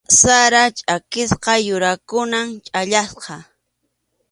Sarap chʼakisqa yurakunam chhallaqa.